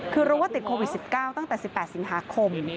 คือรู้ว่าติดโควิด๑๙ตั้งแต่๑๘สิงหาคม